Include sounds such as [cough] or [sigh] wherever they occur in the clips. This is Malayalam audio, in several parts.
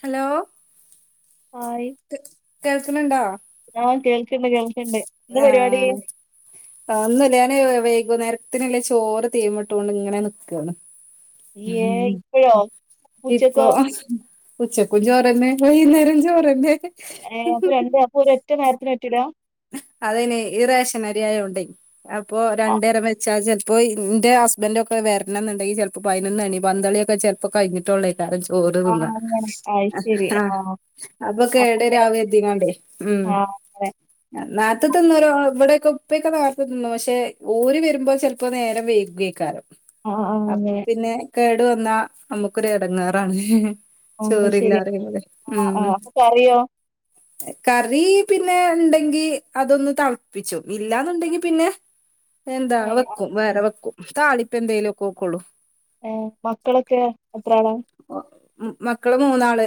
ഹലോ ആയി കേൾക്കണണ്ടോ ഞാൻ കേൾക്ന്ന് കേൾ ആഹ് ഒന്നുല്ല ഞാന് വെയ് വൈകുന്നേരത്തിന്ള്ള ചോറ് തീമിട്ട് കൊണ്ട് ഇങ്ങനെ നിക്കാണ് ഏ ഇപ്പഴോ ഇപ്പൊ പൂച്ചക്കൊ ഉച്ചക്കും ചോറ്ന്നെ വൈകുന്നേരം ചോറെന്നെ ഏ അപ്പൊ രണ്ട് അപ്പൊ ഒര് ഒറ്റ നേരത്തിന് തിട അതയ്ന് ഈ റേഷൻ അരിയായോണ്ടെ അപ്പൊ ആ രണ്ടേരം വെച്ചാ ചെ പ്പോ ഇന്റെ ഹസ്ബന്റൊക്കെ വരണംന്നുണ്ടെങ്കി ചെൽപ്പോ പയിനൊന്നണി പന്തളിയൊക്കെ ചെൽപ്പോ കഴിഞ്ഞിട്ടൊള്ളെ [unintelligible] ചോറ് ആഹ് തിന്ന അങ്ങനെ അയ് ശരി ആ ആഹ് അപ്പൊ കേട അപ്പങ്ങനെ രാവ എത്തിക്കാണ്ടേ ഉം ആഹ് അങ്ങനെ നാത്തത്ത് തിന്നു ഇവിടെയൊക്കെ ഉപ്പയൊക്കെ നെരത്ത്ന്നു പക്ഷെ ഊര് വരുമ്പോ ചെിലപ്പോ നേരം വൈക്വെ കാർ ആഹ് ആഹ് അപ്പ അങ്ങനെ പിന്നെ കേടു വന്നാ നമ്മുക്കൊരു എടങ്ങാറാണ് ആഹ് അത് ശരി ചോറില്ലാറെ ആഹ് ഉം ആഹ് അപ്പൊ കറിയോ കറി പി നെ ണ്ട് ങ്കി അതൊന്നു തളപ്പിച്ചുക്കും ഇല്ലാന്നുണ്ടെങ്കി പിന്നെ എന്താ ഏഹ് ആഹ് വെക്കും വേറെ ആഹ് വെക്കും താളി ഇപ്പ എന്തയ്ലൊക്കെ ക്കോളു ഏ മക്കളൊക്കെ എത്ര ആളാ മക്കള് മൂന്നാള്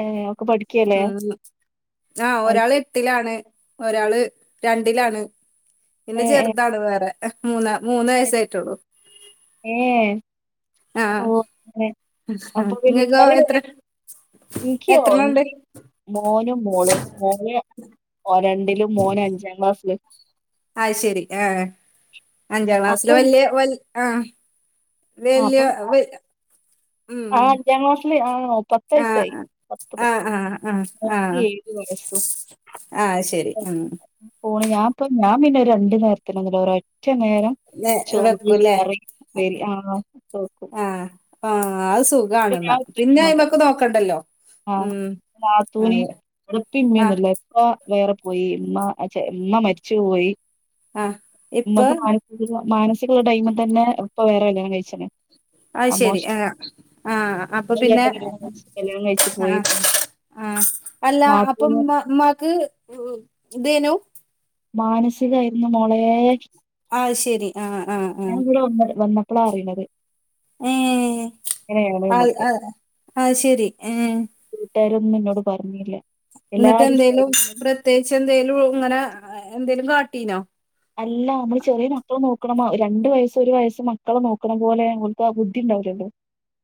ഏഹ് ഒക്കെ പഠിക്കല്ലേ ഉം ആ അത് ഒരാള് ശരി ലാണ് ഒരാള് രണ്ടിലാണ്. പിന്നെ ഏഹ് ചെർതാണ് വേറെ മൂന്നാ മൂന്ന് ഏഹ് വയസായിട്ടൊള്ളു ഏഹ് ആ ഓഹ് അങ്ങനെ അപ്പൊ പിന്നെ നിങ്ങക്കോ എത്ര [unintelligible] ഇൻക്ക്യോ എത്രണ്ണം ഉണ്ട് ഇൻക്ക് മോനും മോളും മോള് [unintelligible] [unintelligible] [unintelligible] ലും മോനഞ്ചാംക്ലാസ് ല് അഅ് ശെരി ആ അഞ്ചാം ക്ലാസ്സിലെ അപ്പൊ വല്യ വല ആ ആ, വല്യ അപ്പൊ വ് ആ അഞ്ചാം ക്ലാസ് ല് ആണോ? പത്ത് വയസ്സായി ആഹ് പത്ത് അഹ് പത്ത് ആഹ് ആഹ് മോക്ക് ആഹ് ഏഴ് വയസ്സും ആ ആയ്ശ ശരി ഉം പോണ് ഞാപ്പം ഞാൻ പിന്നെ ഒരു രണ്ടു നേരത്തിനൊന്നല്ല ഒര ഒറ്റ നേരം നെ ചോറ് വെക്കൂല്ലേ കറി ഉപ്പേരി ആഹ് ആ ആ അത് സുഖാണെന്നാ പിന്നെ അയിമക്ക് [unintelligible] നോക്കണ്ടല്ലോ ആഹ് ഉം നാത്തൂന് അതെ ഉപ്പി ഉമ്മാ ആ ഒന്നുല്ല ഇപ്പ വേറെ പോയി ഇമ്മ അചെ ഇമ്മ മരിച്ചു പോയി ആഹ് ഇപ്പൊ ഇമ്മക്ക് മാനസിക മാനസ് [unintelligible] ടൈമ് തന്നെ ഇപ്പ വേറെ കല്യാണം കഴിച്ച്ണ് അയ്ശരി എ അമ്മോശൻ ആഹ് അപ്പൊ വേറെ പിന്നെ കല്യാണം കഴിച്ച് കല്യാണം കഴിച്ചു അഹ് പോയി ആഹ് പിന്നെ ആഹ് അല്ല അപ്പൊ നാത്തൂന് ഉമ്മ ഇമ്മാക്ക് ഇതേനു മാനസികാരുന്നു മോളേ അത് ശരി ആഹ് ആഹ് ഞാൻ ആഹ് കൂടെ വന്ന് വന്ന ഇപ്പളാ അറിണത് ഏഹ് അഹ് എന്നൊക്കെ അഹ് അയ്ശരി ഏഹ് വീട്ടാരൊന്നുന്നോട് പറഞ്ഞില്ല ഇന്നട്ട് എല്ലാരും എന്തേലും സൈലന്റ് പ്രത്യേകിച്ച് എന്തേലും ഇങ്ങനെ അഹ് എന്തേലും കാട്ടീനോ അല്ല അമ്മള് ചെറിയ മക്കൾ നോക്ക ക്ക്ണമ രണ്ട് വയസ്സ് ഒരു വയസ്സ് മക്കള നോക്ക്ണ പോലെങ്ങൻതെ [unintelligible] ബുദ്ധിണ്ടാവൂലല്ലോ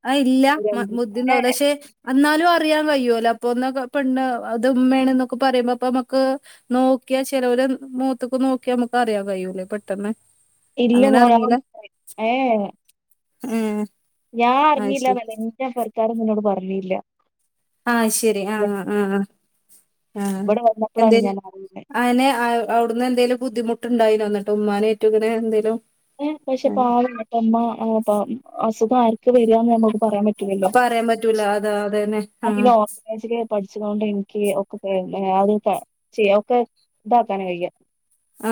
അ ഇല്ല മ ബുദ്ധിണ്ടാവൂല പക്ഷെ അന്നാലും അറിയാൻ കയിയുലോ പോന്നാക്കാപണ്ണ് അത് ഉമ്മ ആണന്നു പറിമ്പോപ്പമ്മക്ക് നോക്കിയാ ചെലവര് മുഖത്തെക്ക് നോക്കിയാ നമ്മുക്ക് അറിയാൻ കയൂലോ പെട്ടെന്ന് ഇല്ല അങ്ങനെ മോള ഏ ഏ ഉം ഞാൻ അറിഞ്ഞില്ല [inaudible] പൊര്ക്കാരൊന്നുംനോട് പറ [unintelligible] ഇല്ല ആ ശരി ആ ആ ആ ഇവിടെ വന്നപ്പളാണ് എന്തേര് ഞാൻ അറിയുന്നെ എന്നെ അവിടെന്ന് - എന്തേലും ബുദ്ധിമുട്ടുണ്ടായിനോ എന്നിട്ട് ഉമ്മാനെ ഏറ്റു ഇങ്ങനെ എന്തേലും- ഏ പക്ഷെ ആ. പാ മറ്റമ്മ അതാ ഹൊ [unintelligible] അസുഖം ആർക്ക് വരുയാന്ന് ഞാൻ പഠിപ്പിച്ചു അപ്പൊ അറിയാൻ പറ്റൂല അതാ അതന്നെ ആ- പഠിച്ചുകൊണ്ട് എനിക്ക് ഒക്കെ [unintelligible] ആതൊക്കെ ചെയ്യ ഒക്കെ ഇതാക്കാൻ വയ്യ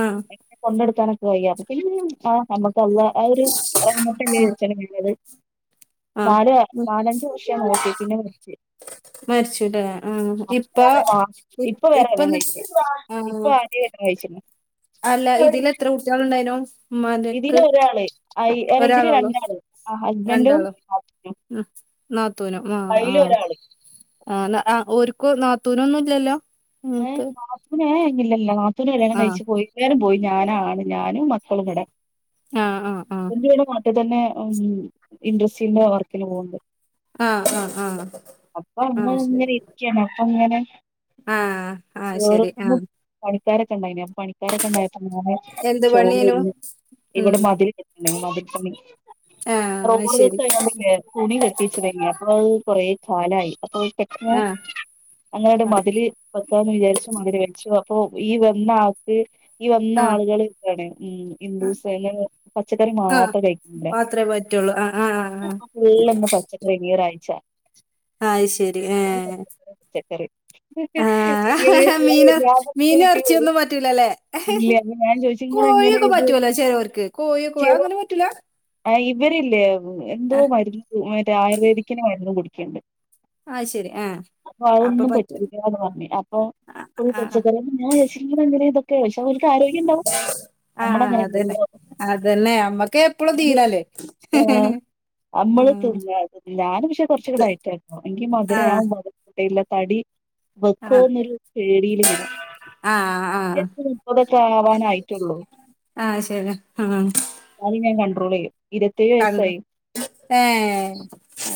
ആഹ് പങ്കെടുക്കാനും- വയ [unintelligible] ആനമ്മക്ക് കൊള്ള ആ ഒരു റാമട്ടല്ലേ [unintelligible] വച്ചന വണത് ആഹ് നാല് നാലഞ്ച് വർഷം നോക്കി പിന്നെ നിർത്തി മരിച്ചുല്ലേ ആഹ് ഇപ്പ ആ ഇ ഇപ്പൊ വേറെ കല്യാണം ഇപ്പന്ന് കഴിച്ച് ഇപ്പൊ ആഹ് [unintelligible] അല്ല ഇതിലെത്ര കുട്ടികള് ഉണ്ടായിനു ഇതില് ഒരാള് അ ഇതില് ഒരാളൊള്ളു രണ്ടാള് ആ ഹസ്ബൻ്റും [unintelligible] ന ത്തുനും ആ ആ ആ ന ഓര്ക്ക് നാത്തൂനൊന്നും ഇല്ലല്ലോ ഉം ഏ ത്ത് നാത്തൂന് ഏ ഇല്ലല്ല നാ ത്തുന് കല്ലണം കഴിച്ച് പോയി [unintelligible] പോയി ഞാന ആണ് ഞാനും മക്കളും ഇവടെ ആഹ് ആഹ് [unintelligible] വീട്ടി തന്നെ മ്മ് ഇൻഡസ്ട്രിന്റെ വർക്കിന് പോക്ണ്ട് ആഹ് ആഹ് ആഹ് ആഹ് അപ്പൊ അങ്ങ ആഹ് ഇങ്ങനെ ഇരിക്കാണ് അപ്പൊ ഇങ്ങനെ ആ ആ ശെരി ആ കാരക്കണ്ടായിനോ പണിക്കാരക്കണ്ടായി അങ്ങനെ എന്ത് ചോറ് പണിയേനു തിന്ന് ഉം ഇവിടെ മതിൽ കെ ണ്ടേ മതിൽപ്പണി ആഹ് അത് റോഡ് ശരി വെപ്പ് കഴിഞ്ഞ പിന്നെ തുണി കെട്ടിച്ചിലെങ്കേ അ കുറേകാലായി അപ്പൊ ടെക്നോ ആഹ് അങ്ങനെ ഒരു ആഹ് മതില് പോന്ന് വിചാരിച്ചു മതിരി വെച്ചു അപ്പൊ ഈ വന്ന ആൾക്ക് ഈ വന്ന ആഹ് ആളുകൾ ഇതാണ് ഉം ഇന്ദൂസ് പച്ചക്കറി ആഹ് മാത്രം കഴിക്കുന്നില്ല മാത്രേ പറ്റുള്ളൂ ആഹ് ആഹ് ആഹ് ഫുള്ള് ഒന്ന് പച്ചക്കറി ഈ ഒരാഴ്ച അ ശരി ആഹ ശരി ആഹ മീന മീന ചോദിക്കും ഇറച്ചിയൊന്നും പറ്റൂലല്ലേ ഇല്ല അപ്പൊ ഞാൻ ചോദിച്ചു ഇങ്ങളെങ്ങനെ കോഴിയൊക്കെ ഇത് പറ്റൂലോ ചെലാവർക്ക് കോഴിയൊക്ക അങ്ങനെ പറ്റൂല വരില്ലേ എന്തോ ആ മരുന്ന് മറ്റേ ആയുർവേദിക്കിന് മരുന്ന് കുടു കേഡ് ആഹ ശരി ആഹ അപ്പൊ പറ്റൂ പറ്റൂലാന്ന് അപ്പൊ പച്ചക്കറി ഞാൻ [unintelligible] ഇതൊക്കെ ഇഷ് പക്ഷേ ഓൽക്ക് ആരോഗ്യം ഇണ്ടാവും. ആ ആ, നമ്മടെ അതന്നെ അങ്ങനെല്ലല്ലോ. അതന്നെ അമ്മക്ക് എപ്പളും അത് തീരല്ലേ ആഹ് നമ്മള് ഉം [unintelligible] ഞാന് പക്ഷെ കുറച്ചൊക്കെ ഡയറ്റായിരുന്നു. എൻങ്കി മധുര ആ [unintelligible] ഇല്ല തടി ആ വെക്കോന്നൊരു പേടില്ങ്ങനെ ആ ആ വയസ് മുപ്പതൊക്കെ ആവാനായിട്ടുള്ളൂ. ആ ശരി അത് ഞാൻ കൺ ട്രോളെയ്യും കൺട്രോ ഏഹ്..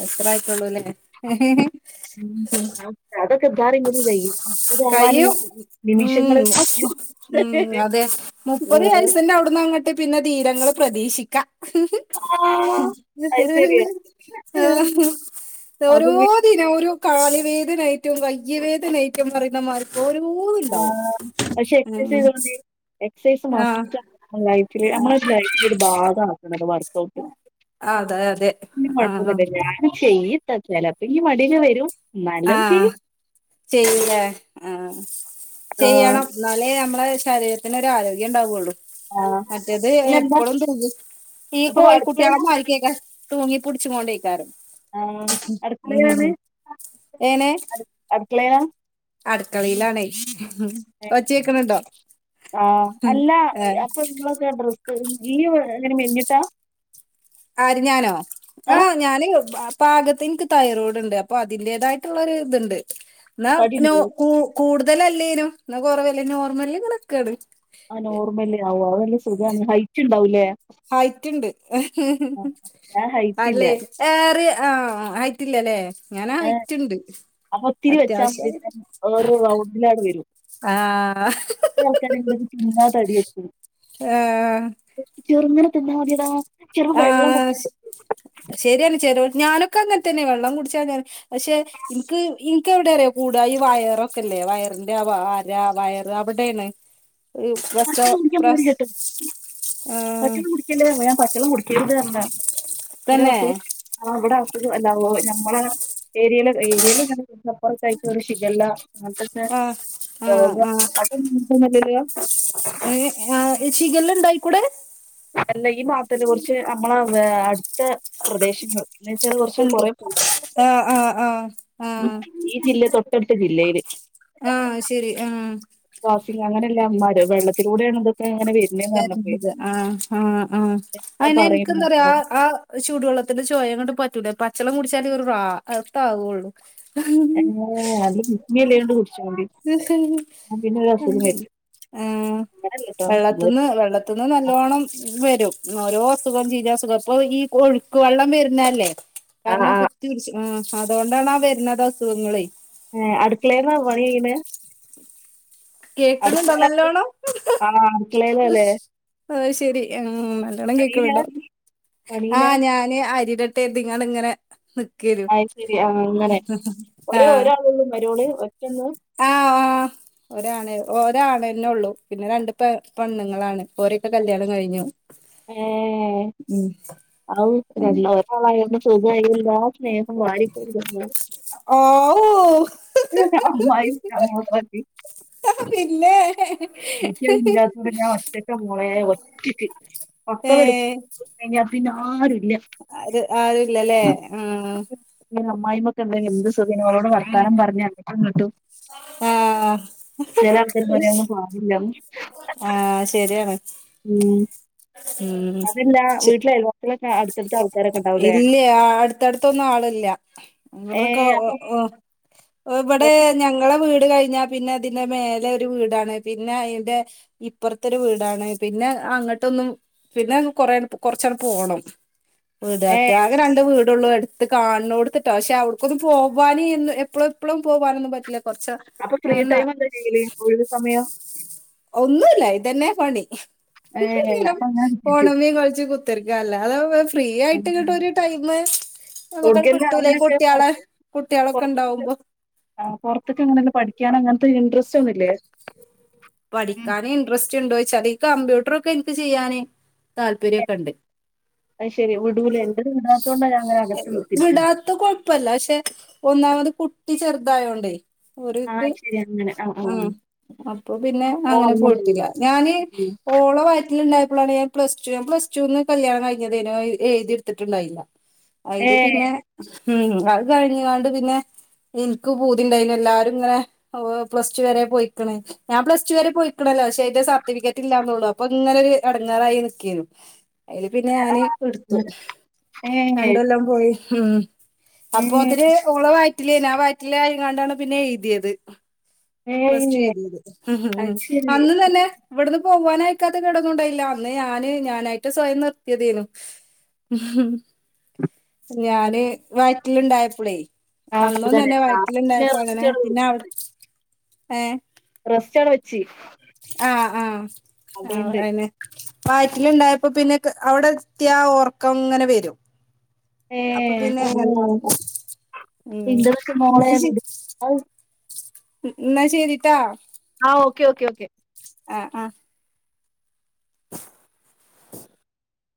അത്രയ് സൊള്ളൂല്ലെ ഉം അതൊക്കെ ഇതാറിം കൊണ്ട് കഴിയും മുപ്പതാവാന് കയ്യും. നിമിഷങ്ങള് ഊം ഊം അതെ മുപ്പത് വയസ്ന്റെ അവിടന്ന് അങ്ങ ട്ട് പിന്നെ ദീരങ്ങള് പ്രതീക്ഷിക്കാ. അത് ശരിയാ അപ്പൊ ഓരോ പിന്നെ ദിന ഒരു കാല് വേദനായ്റ്റും കൈ യ്യ് വേദനായ്റ്റും പറയുന്ന മാരി ഓരോന്ന് ഇണ്ടാവും. ഉ ഉം ക്സൈസ് ആഹ് മസ്റ്റാ... മ്മളെ ലൈഫില് നമ്മള ലൈഫിൻ്റെ ഒരു ബാഗാ. ടക്ക്ണത് work out. അതെ അതെ [unintelligible] ആഹ് കൊഴപ്പൊന്നുല്ല. ഞാനൊക്കെ ഈ [unintelligible] അപ്പ ഇൻക്ക് മടിയൊക്കെ വരും. എന്നാലും ആഹ് ചെയ്യും ചെയ്യുലേ ആഹ് ആഹ് ചെയ്യണം ന്നാലേ നമ്മളെ ശരീരത്തിന് ഒരാരോഗ്യംണ്ടാവൊള്ളൂ ആഹ് മറ്റേത് ഇല്ല എന്താ എപ്പളും തൂങ്ങി ഈ അപ്പൊ കോഴിക്കുട്ട്യളെ അടുക്കളയിലാ മാതിരിയൊക്കെ തൂങ്ങി പുട്ച്ച്ങ്ങോണ്ടെയ്ക്കാരം ആഹ് അട്ക്കളേലാണ് എങ്ങനെ ക്കളേലാ അട്ക്കളയിലാണേ ആ ഉം അല്ല ഏ അപ്പൊ നിങ്ങളൊക്കെ ഡ്രസ്സ് നീയും എങ്ങനെ മെലിഞ്ഞിട്ടാ ആര് ഞാനോ ആഹ് ഞാന് പ പാകത്ത് ഇൻക്ക് തൈറോയ്ഡ് ഇണ്ട് അപ്പൊ അതിന്റേതായിട്ടുള്ളൊര് ഇത്ണ്ട് ന്നാ പ്നോ തടിയുണ്ടോ കു കൂട് തലല്ലേനും ന്നാ കൊറവല്ല നോർമലി ഇങ്ങനെക്കാണ് ആ നോർമല് ആവു അഎല്ല സുഖാണ് ഹൈറ്റ് ഇണ്ടാവുലേ ഹൈറ്റ്ണ്ട് ഞാൻ ഹൈറ്റ് അല്ലേ ഇല്ല ഏറെ ആ ആയിറ്റ്ല്ലല്ലേ ഏ അപ്പോ ഒത്തിരി വെച്ചാ മതി അത്യാവശ്യം വേറെ റൗണ്ടിലാണ് വരും ആ ആൾക്കാര എന്ത തിന്ന തടി വെക്കും ചെറുങ്ങെ തന്ന മതിയെടാ ചെറു ആ വെള്ളം കുടിച്ച് ശരിയാണ് ചേരോ ഞാനൊക്കെങ്ങനെതനെ വെള്ളം കുടിച്ചാ പക്ഷെ ഇനിക്ക് ഇ ക്ക എവിടെറിയ കൂടാ ഈ വയറ ഒക്കെല്ലേ വയറിന്റെ ആരാ വയറ് അവിടെണ് പ്രശ പച്ചള്ളം കുടിക്കാൻ പ്ര പാടില്ലട്ടോ [unintelligible] പച്ചള്ളം കുടിക്കല്ലേ ഞാൻ പച്ചള കുടിക്ക ചെയ്തു തരണ്ട ഒരേ തന്നെ വസു ആ ഇവിടെ ഇ അല്ല ഓ നമ്മള ഏരിയയില ഏരിയൽ [unintelligible] ഒരു ശിഖല്ല [unintelligible] ആഹ് ആഹ് രോഗം [unintelligible] ഏഹ് ആഹ് ഷിഖല്ലാ ഇണ്ടായി. കൂടെ അല്ല ഈ മാതെ കുറിച്ച് നമ്മള അടുത്ത പ്രദേശങ്ങൾ. എന്ന് വെച്ചാൽ കുറച്ച് ആഹ് ആഹ് ആഹ് ആഹ. മ തില്ലെ തോ ട്ടടുത്ത ജില്ലയിയില്. ആഹ് ശരി ഉം. വാസിംഗ അങ്ങനല്ലേ അമ്മമാര് വെള്ളത്തിലൂടെയാണത്. വര ആഹ് ആഹ് ആഹ് ഞാൻ അയിന് എനിക്ക് പറയും എന്താ പറയാ മക്കളോട് ആഹ് ആഹ് ചൂടുവെള്ളത്തിന്റെ ചോയ അങ്ങട്ട് പറ്റൂലേ പ അച്ചളം കുടിച്ചാല് ഇവ അർത്ഥമാവള്ളൂ. ഏ നല്ല് ബിസ്മി ചൊല്ലിയാണ്ട് കുടിചോണ്ടി എന്ന പിന്നെ ഒരു അസുഖവും വരില്ല അങ്ങനല്ലട്ടോ. നമ്മള് തിന്ന് വെള്ളത്തിന്ന് നല്ലോണ്ണം വെരും. ഓരോ അസുഖം ചീന അസുഖം ഇപ്പൊ ഈ ഒഴുക്ക് വെള്ളം വരുന്നല്ലേ. ആഹ് കാരണം ആഹ് കുത്തിച്ച് ആഹ്. അതുകൊണ്ടാണ് വരുന്നത് അസുഖങ്ങളെ. ഏ അടുക്കളെന്നാ പണി ചെയ്യണേ? കേക്കണുണ്ടോ അടുക്കളേലാ നല്ലോണം. ആഹ് അടുക്കളേലല്ലേ ആ ശെരി ആ നല്ലോണം പണിയിലാ കേക്കണോണ്ടോ ആ പണിയിലാ ഞാന് അരിടെ [unintelligible] ഇങ്ങനെ നി അയിശെരി ആ അങ്ങനെ ഓരോ ആഹ് ഒരാളുള്ളൂ മരുമോള് ഒറ്റന്ന് ആഹ് ആ ഒരാണ് ഒരാള്ളന്നെള്ളു പിന്നെ രണ്ട് പെ പെണ്ണുങ്ങളാണ് ഓരൊക്കെ കല്യാണം കഴിഞ്ഞു ഉം [unintelligible] അങ്ങനെ [unintelligible] വേഗം വാരിക്കോരി തന്ന് ആവൂ [unintelligible] പിന്നെ എനിക്കാ ഇല്ലാത്ത കൊണ്ട് ഞാ ഒറ്റക്ക മോളെ ഒറ്റയ്ക്ക് ഏഹ് [unintelligible] പിന്നാര് ഇല്ല ആര് ആരുല്ലല്ലേ ഇങ്ങനൊരു അമ്മായിയമ്മക്കെണ്ടാങ്കി എന്ത്‌ സുഖവാ [unintelligible] ഓളോട് പറയി ത്താനം പറഞ്ഞ് അങ്ങട്ടും ഇങ്ങട്ടും ആഹ് ആഹ് [unintelligible] [unintelligible] ആഹ് ശെരിയാണ് ഉം ഉം അതല്ല ച് വീട്ടിലെ അയൽവാസികളൊക്കെ അടുത്തടുത്ത ആൾക്കാരൊക്കെ ഉണ്ടാവൂലേ ഇല്ല അടുത്തടുത്തൊന്നു ആളില്ല ഏ അങ്ങന്നൊക്കെ അപ്പൊ ഓ ഇവിടെ കൊറച്ച് ഞങ്ങളെ വീട് കഴിഞ്ഞാ പിന്നെ അതിന്റെ മേലെ ഒരു വീടാണ് പിന്നെ അതിന്റെ ഇപ്പറത്തെ ഒരു വീടാണ് പിന്നെ അങ്ങ ട്ടൊന്നും പിന്നെ കൊറെ കൊറച്ചണ്ട് പോണം വീടെ ഏ ആകെ രണ്ട് വീട് ടൊള്ളൂ അട്ത്ത് കാണ്ണോട്ത്ത്ട്ടോ പക്ഷെ അവവിക്കൊന്നും പോവാനും എപ്പളും എപ്പളും പോവാനൊന്നും പറ്റില്ല കൊറച്ച് അപ്പൊ ഫ്രീ അങ്ങനെ ടൈം എന്താ ചെയ്യല് ഒഴിവ് സമയം ഒന്നുല്ല ഇതെന്നെ പണി. ഏ അപ്പൊ അങ്ങനെ [unintelligible] കുത്തിരിക്കും കോണമീ കൾച്ച് കു ത്തർക്ക അല്ലാതെ വെ ഫ്രീ ആയിട്ട് കിട്ട ഒരു ടൈം നമുക്കട് ഓട്ക്കെല്ലാം കിട്ടൂല അങ്ങനെയൊക്കെ പൊറ കുട്ടികളെ കുട്ടികളൊക്കെ പൊറത്ത്ക്കൊക്കെ ഇണ്ടാവുമ്പോ ത് ഇൻട്രസ്റ്റ് ഒന്നൂല്ലേ? പഠിക്കാന് ഇൻട്രസ്റ്റ് ഇണ്ടോയ് ചതി കമ്പ്യൂട്ടറൊക്കെ ഇൻക്ക് ചെയ്യാന് താല്പര്യൊക്കെണ്ട് അത് ശരി വിടൂല എന്റത് വിടാത്തോണ്ടാ ഞാൻ അങ്ങനെ അകത്ത് കുത്തിരിക്കുന്നെ വിടാത്ത കൊഴപ്പല്ല പക്ഷെ ഒന്നാമത് കുട്ടി ചെറുതായോണ്ടേ ആ ഓര്ക്ക് ശരി അങ്ങനെ ആ ആ ആഹ് അപ്പൊ പിന്നെ അങ്ങനെ പോയിട്ടില്ല ഞാൻ ഓളെ വയറ്റി ല് ഇണ്ടായപ്പളാണ് ഞാൻ പ്ലസ് ടു. ഞാൻ പ്ലസ് ടുന്ന് കല്യാണം കഴിഞ്ഞതേനു അത് എഴുതിട്ത്തിട്ടുണ്ടായില്ല. അയില് പിന്നെ, ഉം അത് കഴിഞ്ഞ് കാണ്ട് പിന്നെ ഇൻക്ക് പൂതിണ്ടായിനി എല്ലാരും ഇങ്ങനെ ഔഹ് പ്ലസ് ടു വരെ പോയിക്ക്ണ് ഞാ പ്ലസ്ടു വരെ പോയിക്ണല്ലോ. ഷ് അയ്‌ന്റെ സർട്ടിഫിക്കറ്റില്ലാന്നുള്ളൂ. അപ്പം ഇങ്ങനെ ഒരു എടങ്ങാറായി നിക്കേനു. അയില് പിന്നെ ഞാന് ഇട്ത്തു. ഏ ഏ രണ്ടൊല്ലം പോയി. ഹ്മ്മ് ഏ അപ്പൊത്തിന് ഓള് വയ റ്റിലേനാ ആ വയറ്റിലായിങ്ങണ്ടാണ് പിന്നെ എഴുതിയത്. പ്ലസ് ടു ഏയ് എഴുതിയത്. അത് ശരി അന്നും തന്നെ ഇവട്ന്ന് പോവാനയിക്കാത്തെ കേടൊന്നുണ്ടായില്ല. അന്ന് ഞാന് ഞാനായിട്ട് സ്വയം നിർത്തിയതേനു. ഞാന് വ യറ്റിലുണ്ടായപ്പളേ ആ അന്നും അങ്ങനെ തന്നെ ആ വയറ്റില് പിന്നെ ഇണ്ടായപ്പ ങ്ങനെ റസ്റ്റ് പിന്നെ അവ ഏഹ് റെസ്റ്റ് അവ്ടെ വെച്ചി. ആ ആ ആ അയന്നെ വയറ്റിലുണ്ടായപ്പോ പിന്നെ അവിടെത്തിയാ ഉർക്കം ങ്ങനെ വരും ഏ അപ്പൊ പിന്നെ അള്ളാ മ് ഇന്റതൊക്കെ എന്നാ മോളെ ശെരി വിട്. അത് എന്നാ ശരിട്ടാ ആ ഓക്കെ ഓക്കെ ഓക്കെ ആ ആ